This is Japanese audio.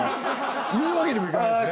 言うわけにもいかないしね。